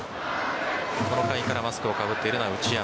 この回からマスクをかぶっているのは内山。